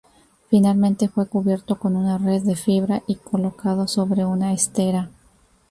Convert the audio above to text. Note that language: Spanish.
Finalmente fue cubierto con una red de fibra y colocado sobre una estera.